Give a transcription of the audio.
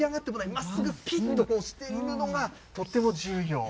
まっすぐ、ぴっとしているのがとても重要。